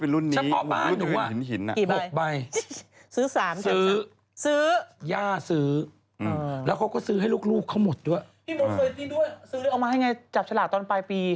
พี่หมดเฟย์ที่ด้วยซื้อแล้วเอามาให้ไงจับฉลากตอนปลายปี